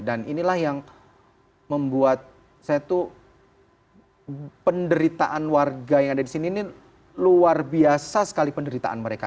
dan inilah yang membuat saya tuh penderitaan warga yang ada di sini ini luar biasa sekali penderitaan mereka itu